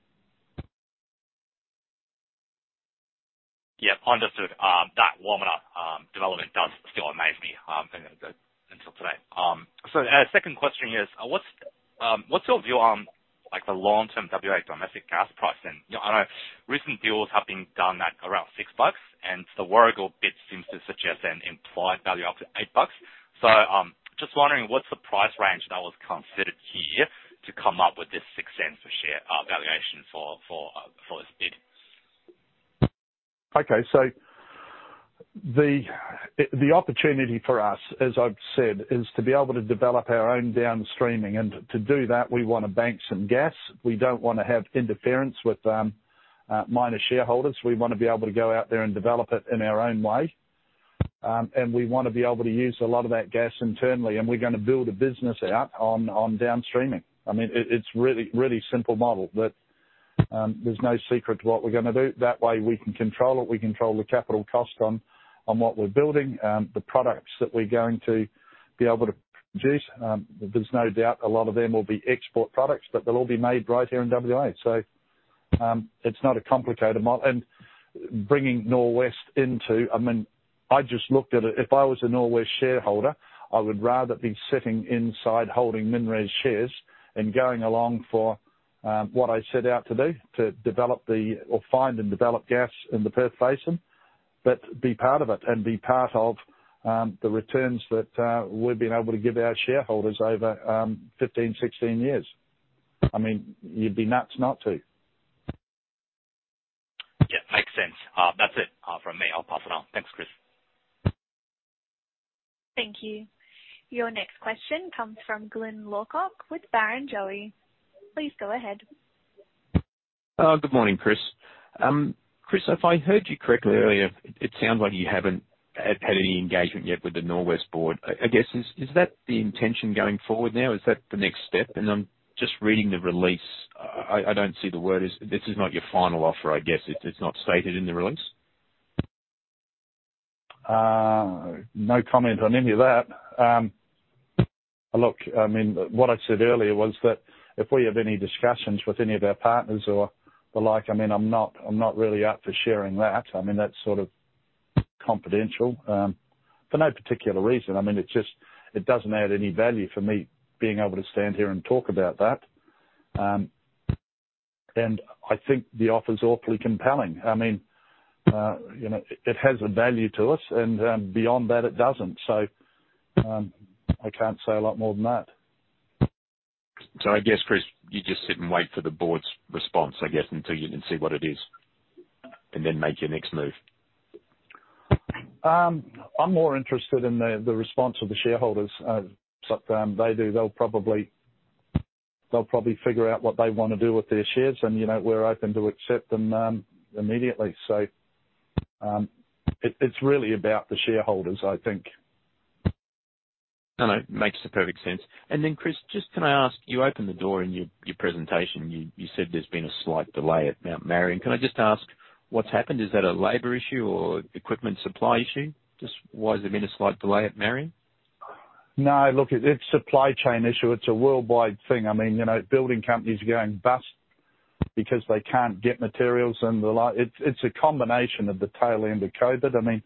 Yeah. Understood. That Wonmunna development does still amaze me, and until today. Second question is, what's your view on, like, the long term WA domestic gas price then? I know recent deals have been done at around 6 bucks, and the Warrego bid seems to suggest an implied value of 8 bucks. Just wondering what's the price range that was considered here to come up with this 0.06 a share valuation for, for this bid. Okay. The opportunity for us, as I've said, is to be able to develop our own downstreaming. To do that, we wanna bank some gas. We don't wanna have interference with minor shareholders. We wanna be able to go out there and develop it in our own way. We wanna be able to use a lot of that gas internally, and we're gonna build a business out on downstreaming. I mean, it's really, really simple model. There's no secret to what we're gonna do. That way we can control it. We control the capital cost on what we're building, the products that we're going to be able to produce. There's no doubt a lot of them will be export products, but they'll all be made right here in WA. It's not a complicated model. Bringing Norwest into-- I mean, I just looked at it. If I was a Norwest shareholder, I would rather be sitting inside holding MinRes shares and going along for, what I set out to do, to find and develop gas in the Perth Basin, but be part of it and be part of, the returns that we've been able to give our shareholders over, 15, 16 years. I mean, you'd be nuts not to. Yeah, makes sense. That's it from me. I'll pass it on. Thanks, Chris. Thank you. Your next question comes from Glyn Lawcock with Barrenjoey. Please go ahead. Good morning, Chris. Chris, if I heard you correctly earlier, it sounds like you haven't had any engagement yet with the Norwest board. I guess, is that the intention going forward now? Is that the next step? I'm just reading the release. I don't see the word is this is not your final offer, I guess. It's not stated in the release. No comment on any of that. Look, I mean, what I said earlier was that if we have any discussions with any of our partners or the like, I mean, I'm not really up for sharing that. I mean, that's sort of confidential, for no particular reason. I mean, it's just, it doesn't add any value for me being able to stand here and talk about that. I think the offer's awfully compelling. I mean, you know, it has a value to us, and beyond that, it doesn't. I can't say a lot more than that. I guess, Chris, you just sit and wait for the board's response, I guess, until you can see what it is and then make your next move. I'm more interested in the response of the shareholders. They'll probably figure out what they wanna do with their shares, and, you know, we're open to accept them immediately. It's really about the shareholders, I think. No, no, makes the perfect sense. Chris, just can I ask, you opened the door in your presentation. You said there's been a slight delay at Mount Marion. Can I just ask what's happened? Is that a labor issue or equipment supply issue? Just why has there been a slight delay at Marion? No, look, it's supply chain issue. It's a worldwide thing. I mean, you know, building companies are going bust because they can't get materials and the like. It's a combination of the tail end of COVID. I mean,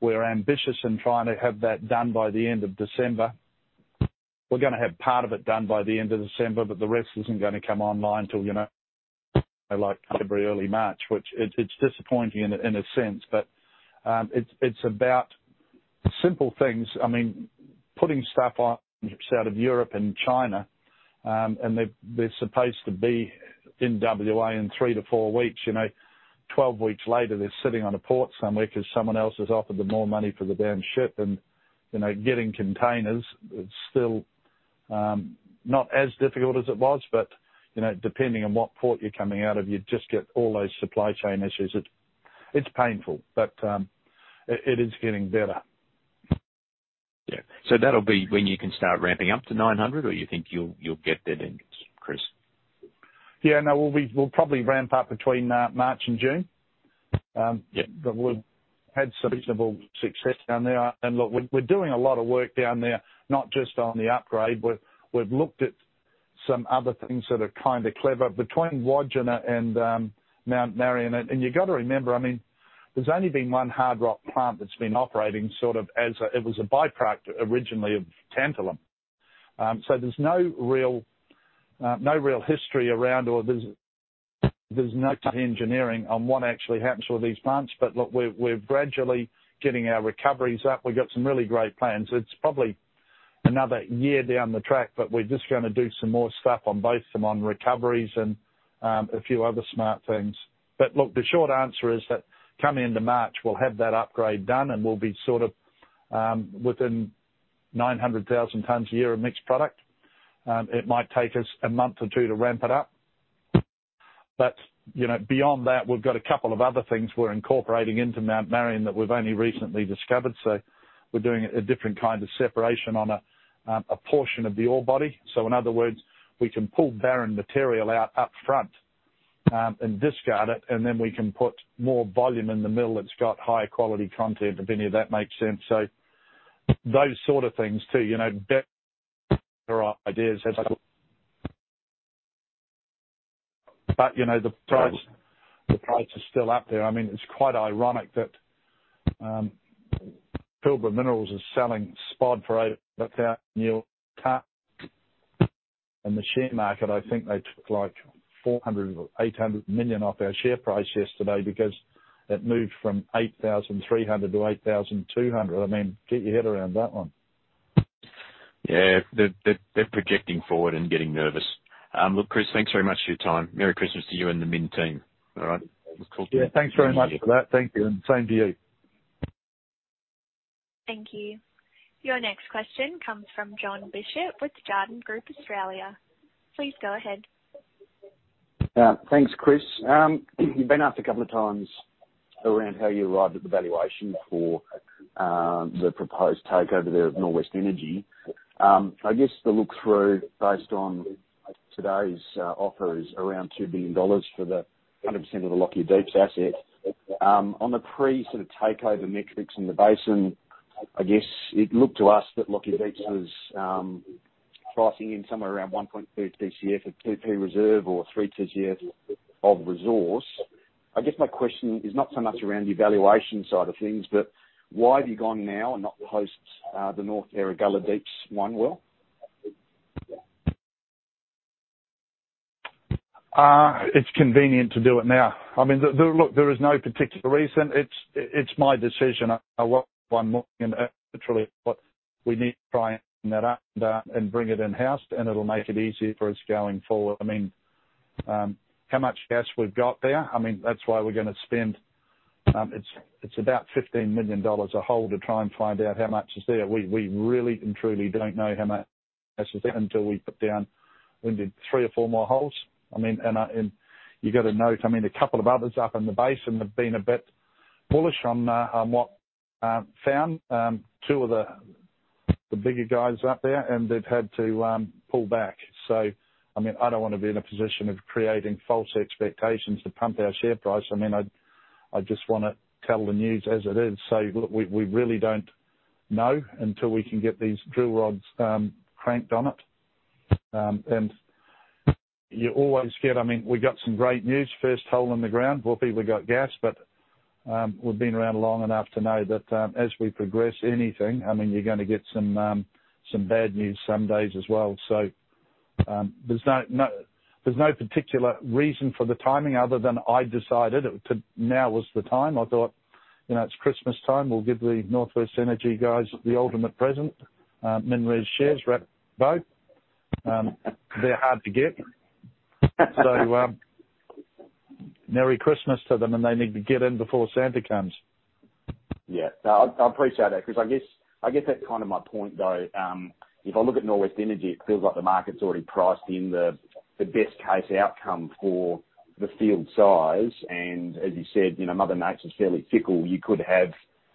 we're ambitious in trying to have that done by the end of December. We're gonna have part of it done by the end of December, but the rest isn't gonna come online till, you know, like February, early March, which it's disappointing in a sense, but it's about simple things. I mean, putting stuff on out of Europe and China, and they're supposed to be in WA in three to four weeks. You know, 12 weeks later, they're sitting on a port somewhere 'cause someone else has offered them more money for the damn ship. You know, getting containers is still not as difficult as it was, you know, depending on what port you're coming out of, you just get all those supply chain issues. It's painful, it is getting better. Yeah. That'll be when you can start ramping up to 900, or you think you'll get there then, Chris? Yeah, no, we'll probably ramp up between March and June. Yeah. We've had some reasonable success down there. Look, we're doing a lot of work down there, not just on the upgrade. We've looked at some other things that are kinda clever between Wodgina and Mount Marion. You gotta remember, I mean, there's only been one hard rock plant that's been operating sort of as it was a by-product originally of tantalum. So there's no real, no real history around, or there's no engineering on what actually happens with these plants. Look, we're gradually getting our recoveries up. We've got some really great plans. It's probably another year down the track, but we're just gonna do some more stuff on both of them, on recoveries and a few other smart things. Look, the short answer is that coming into March, we'll have that upgrade done, and we'll be sort of, within 900,000 tons a year of mixed product. It might take us a month or two to ramp it up. You know, beyond that, we've got a couple of other things we're incorporating into Mount Marion that we've only recently discovered, so we're doing a different kind of separation on a portion of the ore body. In other words, we can pull barren material out up front, and discard it, and then we can put more volume in the mill that's got higher quality content, if any of that makes sense. Those sort of things too, you know, better ideas. You know, the price, the price is still up there. I mean, it's quite ironic that Pilbara Minerals is selling spot for <audio distortion> and the share market, I think they took, like, 400 million or 800 million off our share price yesterday because it moved from 8,300 to 8,200. I mean, get your head around that one. Yeah. They're projecting forward and getting nervous. Look, Chris, thanks very much for your time. Merry Christmas to you and the MIN team. All right. It was cool. Yeah, thanks very much for that. Thank you, and same to you. Thank you. Your next question comes from Jon Bishop with Jarden Group Australia. Please go ahead. Thanks, Chris. You've been asked a couple of times around how you arrived at the valuation for the proposed takeover of Norwest Energy. I guess the look-through based on today's offer is around 2 billion dollars for the 100% of the Lockyer Deep asset. On the pre sort of takeover metrics in the basin, I guess it looked to us that Lockyer Deep was pricing in somewhere around 1.3 TCF of 2P reserve or 3 TCF of resource. I guess my question is not so much around the valuation side of things, but why have you gone now and not post the North Erregulla Deep-1 well? It's convenient to do it now. I mean, look, there is no particular reason. It's my decision <audio distortion> and bring it in-house, and it'll make it easier for us going forward. I mean, how much gas we've got there, I mean, that's why we're gonna spend, it's about 15 million dollars a hole to try and find out how much is there. We really and truly don't know how much gas is there until we put down three or four more holes. I mean, and you gotta note, I mean, a couple of others up in the basin have been a bit bullish on what found two of the bigger guys up there, and they've had to pull back. I mean, I don't want to be in a position of creating false expectations to pump our share price. I mean, I just want to tell the news as it is. Look, we really don't know until we can get these drill rods, cranked on it. You're always scared. I mean, we got some great news, first hole in the ground. Woopie, we got gas. We've been around long enough to know that, as we progress anything, I mean, you're going to get some bad news some days as well. There's no particular reason for the timing other than I decided to... now was the time. I thought, you know, it's Christmas time. We'll give the Norwest Energy guys the ultimate present, MinRes shares wrapped bow. They're hard to get. Merry Christmas to them, and they need to get in before Santa comes. Yeah. No, I appreciate it 'cause I guess that's kind of my point, though. If I look at Norwest Energy, it feels like the market's already priced in the best-case outcome for the field size. As you said, you know, Mother Nature's fairly fickle. You could have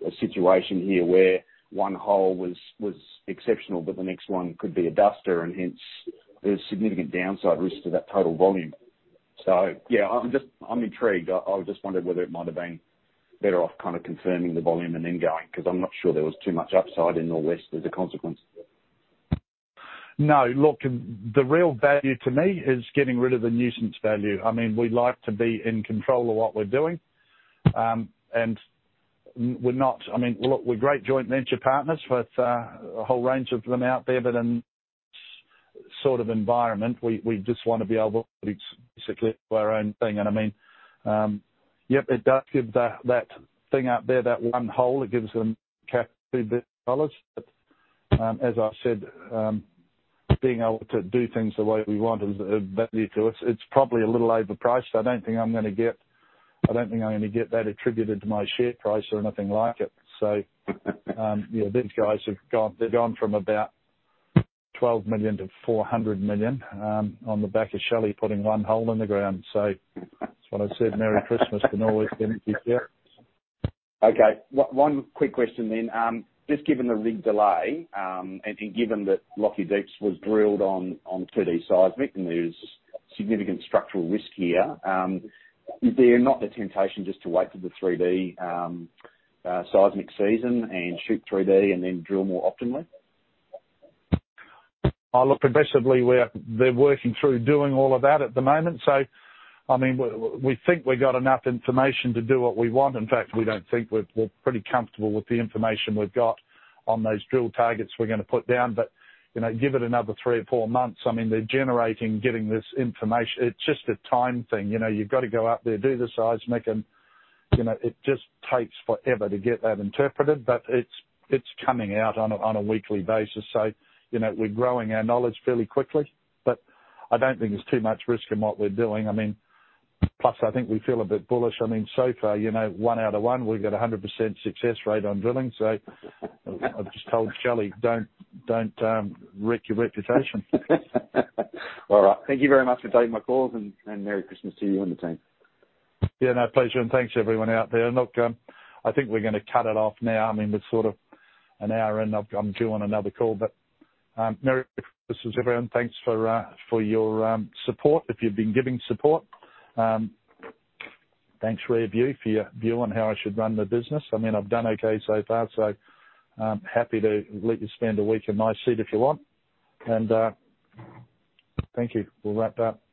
a situation here where one hole was exceptional, but the next one could be a duster, and hence there's significant downside risk to that total volume. Yeah, I'm just, I'm intrigued. I just wondered whether it might have been better off kind of confirming the volume and then going, 'cause I'm not sure there was too much upside in Norwest as a consequence. No. Look, the real value to me is getting rid of the nuisance value. I mean, we like to be in control of what we're doing. I mean, look, we're great joint venture partners with a whole range of them out there. In this sort of environment, we just wanna be able to basically do our own thing. I mean, yep, it does give the, that thing out there, that one hole, it gives them capital AUD. As I said, being able to do things the way we want is value to us. It's probably a little overpriced. I don't think I'm gonna get that attributed to my share price or nothing like it. You know, these guys have gone, they've gone from about 12 million to 400 million on the back of Shelley putting one hole in the ground. That's why I said merry Christmas to Norwest Energy there. Okay. One quick question then. Just given the rig delay, and given that Lockyer Deep was drilled on 2D seismic and there's significant structural risk here, is there not the temptation just to wait for the 3D seismic season and shoot 3D and then drill more optimally? Look, progressively, they're working through doing all of that at the moment. I mean, we think we've got enough information to do what we want. In fact, we're pretty comfortable with the information we've got on those drill targets we're gonna put down. You know, give it another three or four months. I mean, they're generating, getting this information. It's just a time thing. You know, you've got to go out there, do the seismic, and, you know, it just takes forever to get that interpreted. It's, it's coming out on a, on a weekly basis. You know, we're growing our knowledge fairly quickly, but I don't think there's too much risk in what we're doing. I mean, plus, I think we feel a bit bullish. I mean, so far, you know, one out of one, we've got a 100% success rate on drilling. I've just told Shelley, "Don't wreck your reputation." All right. Thank you very much for taking my call, and merry Christmas to you and the team. Yeah, no, pleasure and thanks to everyone out there. Look, I think we're gonna cut it off now. I mean, it's sort of an hour, and I'm due on another call. Merry Christmas, everyone. Thanks for your support, if you've been giving support. Thanks, Rearview, for your view on how I should run the business. I mean, I've done okay so far, so happy to let you spend a week in my seat if you want. Thank you. We'll wrap up.